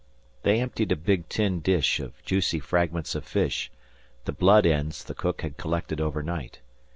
They emptied a big tin dish of juicy fragments of fish the blood ends the cook had collected overnight.